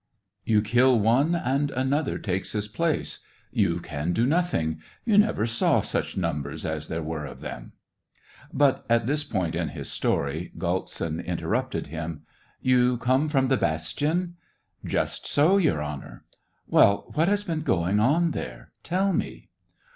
You kill one, and another takes his place — you can do nothing. You never saw such numbers as there were of them. ..." But at this point in his story Galtsin inter rupted him. " You come from the bastion }'*" Just so. Your Honor !"" Well, what has been going on there ? Tell me.